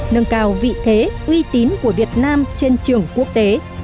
nâng cao vị thế uy tín của việt nam trên trường quốc tế